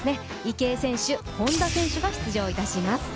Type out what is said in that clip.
池江選手、本多選手が出場します。